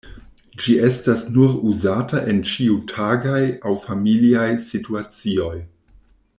Ĝi estas nur uzata en ĉiutagaj aŭ familiaj situacioj.